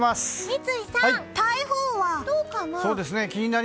三井さん、台風はどうかな？